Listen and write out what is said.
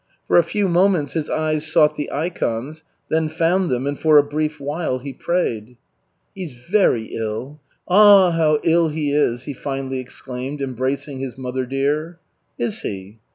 For a few moments his eyes sought the ikons, then found them and for a brief while he prayed. "He's very ill. Ah, how ill he is!" he finally exclaimed, embracing his mother dear. "Is he?"